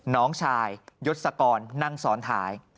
น้องชายยศกรนั่งซ้อนท้าย